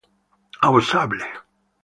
Au Sable